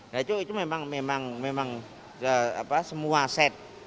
nah itu memang memang memang apa semua set